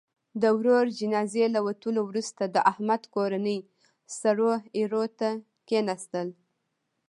د ورور جنازې له وتلو وروسته، د احمد کورنۍ سړو ایرو ته کېناستل.